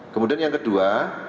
kemudian yang kedua